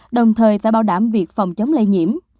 đồng thời phải bảo đảm việc phòng chống lây nhiễm